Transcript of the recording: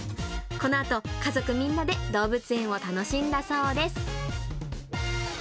このあと、家族みんなで動物園を楽しんだそうです。